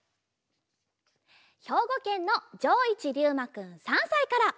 ひょうごけんのじょういちりゅうまくん３さいから。